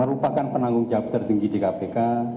merupakan penanggung jawab tertinggi di kpk